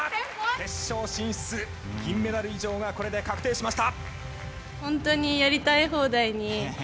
決勝進出、銀メダル以上がこれで確定しました。